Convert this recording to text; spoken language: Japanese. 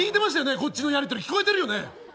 こっちのやり取り聞いてるよね？